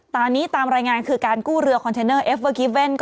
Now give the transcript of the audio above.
ตอนนี้ตามรายงานคือการกู้เรือคอนเทนเนอร์เอฟเวอร์กิเว่น